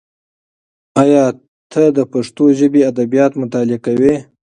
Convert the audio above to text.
ایا ته د پښتو ژبې ادبیات مطالعه کوې؟